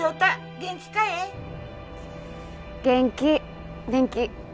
元気元気